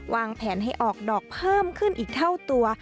วางแผนให้ออกดอกเพิ่มขึ้นอีกเท่าตัว